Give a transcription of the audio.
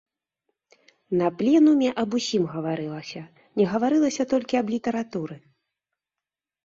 На пленуме аб усім гаварылася, не гаварылася толькі аб літаратуры.